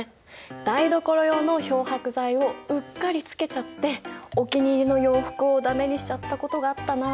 台所用の漂白剤をうっかりつけちゃってお気に入りの洋服を駄目にしちゃったことがあったなあ。